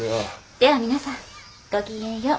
では皆さんごきげんよう。